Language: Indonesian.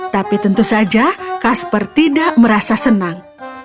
tapi tentu saja kasper tidak merasa senang